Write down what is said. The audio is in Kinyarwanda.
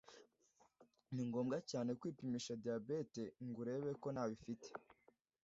Ni ngombwa cyane kwipimisha diabete ngurebeko ntayo ufite